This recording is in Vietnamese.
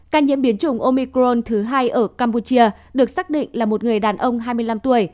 ca nhiễm biến chủng omicron thứ hai ở campuchia được xác định là một người đàn ông hai mươi năm tuổi